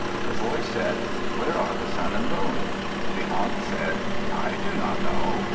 The boy said, "Where are the sun and moon?" The aunt said, "I do not know."